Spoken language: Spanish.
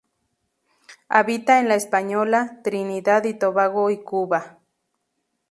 Habita en La Española, Trinidad y Tobago y Cuba.